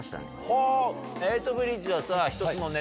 エイトブリッジは。